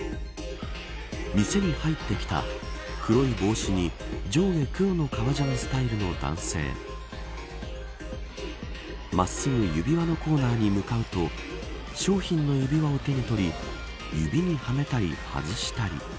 店に入ってきた、黒い帽子に上下黒の革ジャンスタイルの男性真っすぐ指輪のコーナーに向かうと商品の指輪を手に取り指にはめたり、外したり。